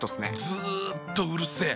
ずっとうるせえ。